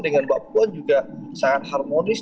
dengan mbak puan juga sangat harmonis